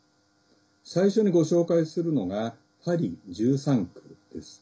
最初に、ご紹介するのが「パリ１３区」です。